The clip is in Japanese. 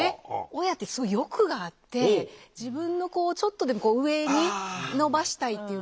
親ってすごい欲があって自分の子をちょっとでも上に伸ばしたいっていうか。